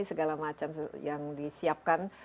segala macam yang disiapkan